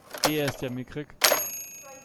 Der ist ja mickrig!